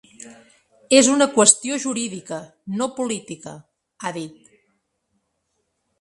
“És una qüestió jurídica, no política”, ha dit.